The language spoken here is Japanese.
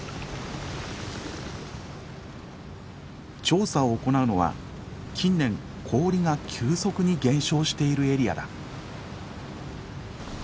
調査を行うのは近年氷が急速に減少しているエリアだ。